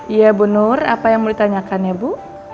iya bu nur apa yang mau ditanyakan ya bu